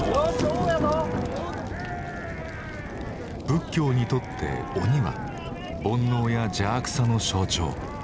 仏教にとって鬼は煩悩や邪悪さの象徴。